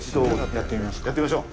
やってみましょう。